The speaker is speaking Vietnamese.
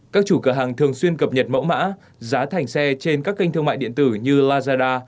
các chủ cửa hàng thường xuyên cập nhật mẫu mã giá thành xe trên các kênh thương mại điện tử như lazada